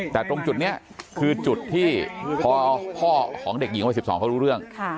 แต่ตรงจุดพี่พ่อของเด็กหญิงว่ะ๑๒บาทเขารู้เรื่อง